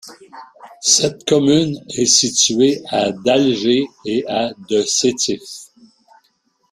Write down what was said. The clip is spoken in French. Cette commune est située à d'Alger et à de Sétif.